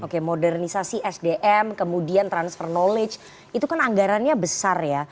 oke modernisasi sdm kemudian transfer knowledge itu kan anggarannya besar ya